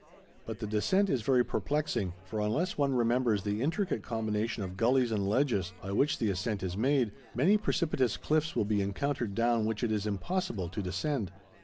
But the descent is very perplexing, for unless one remembers the intricate combination of gullies and ledges by which the ascent is made, many precipitous cliffs will be encountered down which it is impossible to descend.